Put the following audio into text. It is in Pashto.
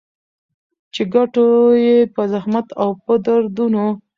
چي ګټو يې په زحمت او په دردونو